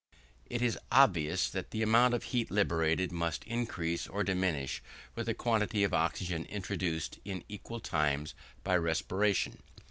It is obvious that the amount of heat liberated must increase or diminish with the quantity of oxygen introduced in equal times by respiration.